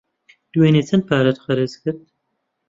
دوێنێ چەند پارەت خەرج کرد؟